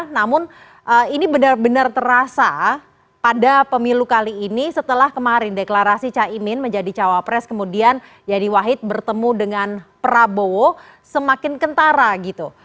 namun ini benar benar terasa pada pemilu kali ini setelah kemarin deklarasi caimin menjadi cawapres kemudian yeni wahid bertemu dengan prabowo semakin kentara gitu